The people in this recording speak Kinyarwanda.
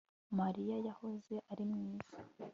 Mariya yahoze ari mwiza